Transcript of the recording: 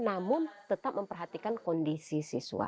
namun tetap memperhatikan kondisi siswa